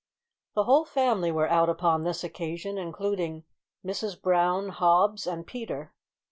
The whole family were out upon this occasion, including Mrs Brown, Hobbs, and Peter.